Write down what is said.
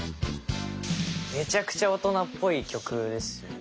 めちゃくちゃ大人っぽい曲ですよね。